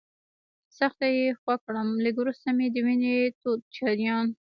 سخت یې خوږ کړم، لږ وروسته مې د وینې تود جریان.